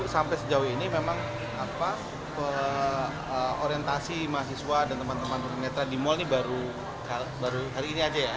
sampai sejauh ini memang orientasi mahasiswa dan teman teman tuna netra di mal ini baru hari ini saja ya